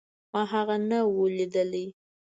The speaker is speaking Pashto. ما هغه نه و ليدلى.